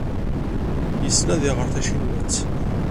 Yessen ad iɣer tacinwat.